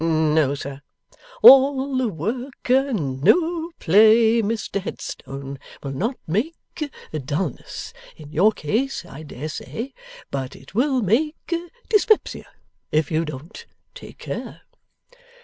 'No, sir.' 'All work and no play, Mr Headstone, will not make dulness, in your case, I dare say; but it will make dyspepsia, if you don't take care.